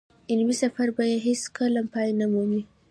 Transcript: علمي سفر به يې هېڅ کله پای نه مومي.